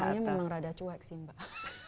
saya ini orangnya memang rada cuek sih mbak